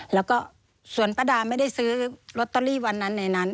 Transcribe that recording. แล้วก็ส่วนป้าดาไม่ได้ซื้อลอตเตอรี่วันนั้นในนั้น